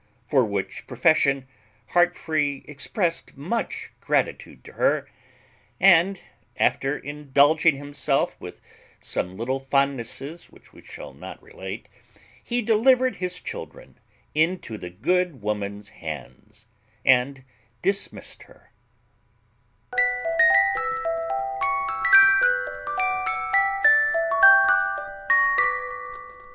For which profession Heartfree expressed much gratitude to her, and, after indulging himself with some little fondnesses which we shall not relate, he delivered his children into the good woman's hands, and dismissed her.